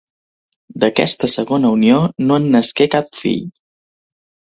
D'aquesta segona unió no en nasqué cap fill.